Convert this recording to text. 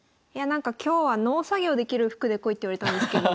今日は農作業できる服で来いって言われたんですけど。